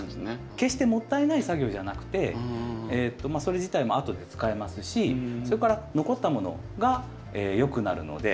決してもったいない作業じゃなくてそれ自体も後で使えますしそれから残ったものがよくなるので。